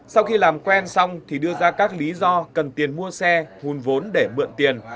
sau khi làm quen xong thì đưa ra các lý do cần tiền mua xe hùn vốn để mượn tiền